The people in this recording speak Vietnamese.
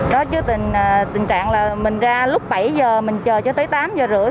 đó chứ tình trạng là mình ra lúc bảy giờ mình chờ cho tới tám giờ rưỡi